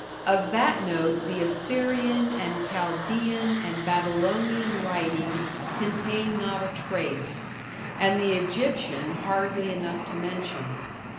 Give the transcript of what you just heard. Of that note the Assyrian and Chaldean and Babylonian writing contain not a trace, and the Egyptian hardly enough to mention.